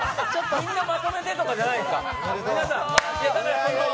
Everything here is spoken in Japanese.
みんなまとめてとかじゃないんですか。